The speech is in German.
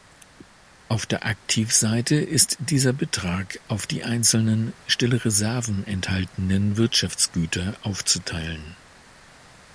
Auf der Aktivseite ist dieser Betrag auf die einzelnen, stille Reserven enthaltenden Wirtschaftsgüter aufzuteilen.